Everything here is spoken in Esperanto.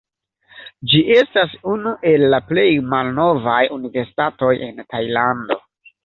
Ĝi estas unu el la plej malnovaj universitatoj en Tajlando.